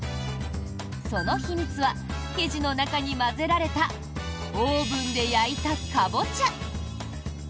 その秘密は生地の中に混ぜられたオーブンで焼いたカボチャ。